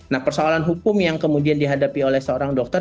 nah persoalan hukum yang kemudian dihadapi oleh seorang dokter